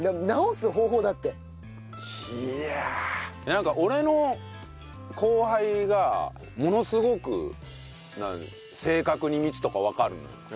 なんか俺の後輩がものすごく正確に道とかわかるのよ。